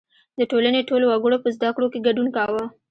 • د ټولنې ټولو وګړو په زدهکړو کې ګډون کاوه.